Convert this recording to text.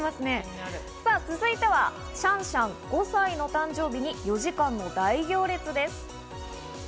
続いてはシャンシャン５歳の誕生日に４時間の大行列です。